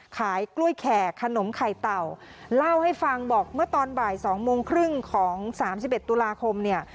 ขายกล้วยแขกขนมไข่เต่าเล่าให้ฟังบอกเมื่อตอนบ่ายสองโมงครึ่งของสามสิบเอ็ดตุลาคมเนี่ย